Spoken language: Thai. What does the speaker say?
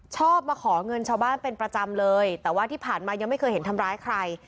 ชอบมาขอเงินชาวบ้านเป็นประจำเลยแต่ว่าที่ผ่านมายังไม่เคยเห็นทำร้ายใคร